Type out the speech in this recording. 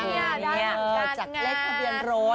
ตรงนี้มาจากเลขทะเบียนโรด